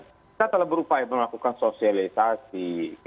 kita telah berupaya melakukan sosialisasi